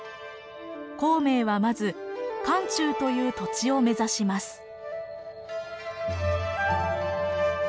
孔明はまず漢中という土地を目指します。